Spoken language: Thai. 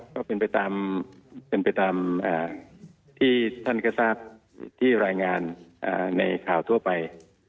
ก็เป็นไปตามเป็นไปตามที่ท่านก็ทราบที่รายงานในข่าวทั่วไป